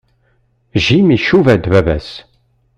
Jim icuba-d baba-s.